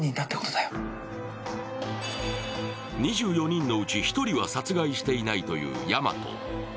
２４人のうち１人は殺害していないという大和。